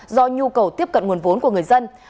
do nhu cầu tiếp cận nguồn vốn của người dân